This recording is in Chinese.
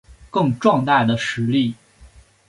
更壮大的实力